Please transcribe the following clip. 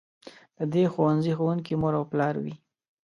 د دې ښوونځي ښوونکي مور او پلار وي.